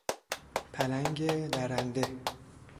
پلنگ درنده